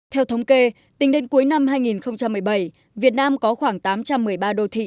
theo thống kê tính đến cuối năm hai nghìn một mươi bảy việt nam có khoảng tám trăm một mươi ba đô thị